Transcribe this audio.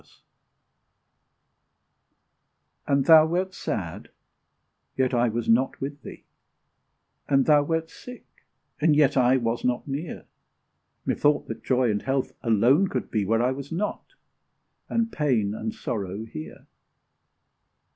And thou wert sad yet I was not with thee; And thou wert sick, and yet I was not near; Methought that Joy and Health alone could be Where I was not and pain and sorrow here!